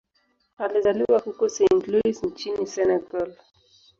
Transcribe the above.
Alizaliwa huko Saint-Louis nchini Senegal.